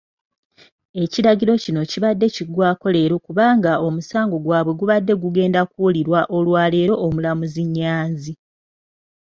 Ekiragiro kino kibadde kiggwako leero kubanga omusango gwabwe gubadde gugenda kuwulirwa olwaleero omulamuzi Nyanzi.